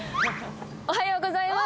おはようございます